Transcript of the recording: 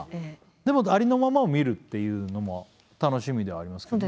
でもありのままを見るっていうのも楽しみではありますけどね。